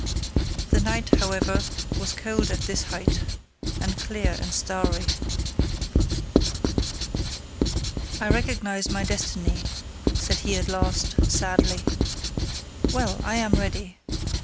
The night, however, was cold at this height, and clear and starry. I recognise my destiny, said he at last, sadly. Well! I am ready.